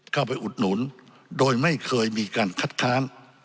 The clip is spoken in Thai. อุดหนุนโดยไม่เคยมีการคัดค้าน